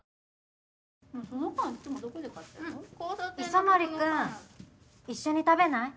磯森君一緒に食べない？